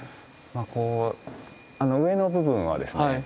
あの上の部分はですね